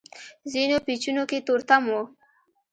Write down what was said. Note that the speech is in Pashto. ځينو پېچونو کې تورتم و.